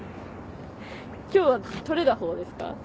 今日は取れたほうですか？